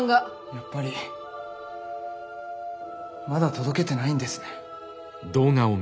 やっぱりまだ届けてないんですね。